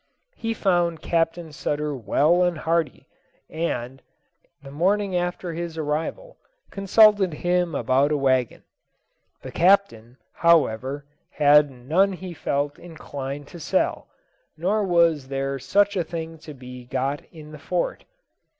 He found Captain Sutter well and hearty, and, the morning after his arrival, consulted him about a wagon. The Captain, however, had none he felt inclined to sell, nor was there such a thing to be got in the fort.